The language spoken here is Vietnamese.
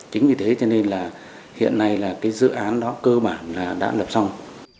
chính vì thế cho nên là hiện nay là cái dự án đó cơ bản là đã lập xong